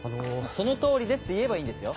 「その通りです」って言えばいいんですよ。